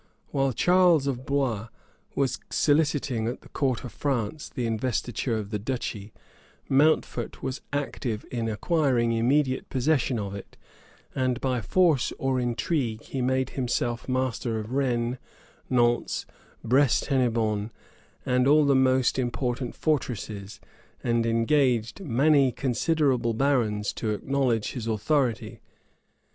While Charles of Blois was soliciting at the court of France the investiture of the duchy, Mountfort was active in acquiring immediate possession of it; and by force or intrigue he made himself master of Rennes, Nantz, Brest Hennebonne, and all the most important fortresses, and engaged many considerable barons to acknowledge his authority.